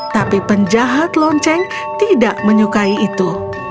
tapi penjahat lonceng tidak menyukai itu